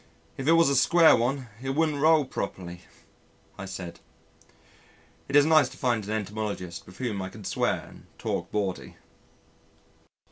"If it was a square one it wouldn't roll properly," I said. It is nice to find an entomologist with whom I can swear and talk bawdy.